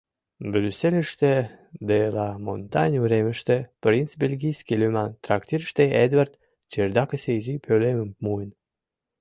Брюссельыште, де ла Монтань уремыште, “Принц Бельгийский” лӱман трактирыште Эдвард чердакысе изи пӧлемым муын.